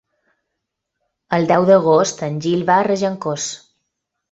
El deu d'agost en Gil va a Regencós.